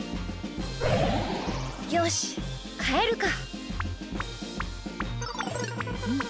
よしかえるか。